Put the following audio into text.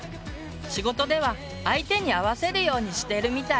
仕事では相手に合わせるようにしてるみたい。